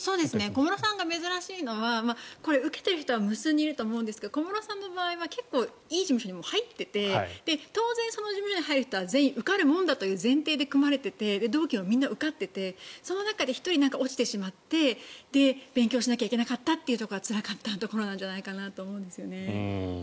小室さんが珍しいのは受けている人は無数にいると思うんですが小室さんの場合は結構、いい事務所にもう入ってて当然、その事務所に入る人は全員受かるものだという前提で組まれていて同期はみんな受かっていてその中で１人落ちてしまって勉強しなきゃいけなかったというのがつらかったところなんじゃないでしょうかね。